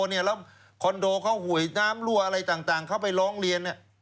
แล้วคอนโดเขาหวยน้ำรั่วอะไรต่างเขาไปร้องเรียน